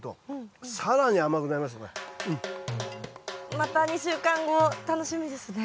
また２週間後楽しみですね。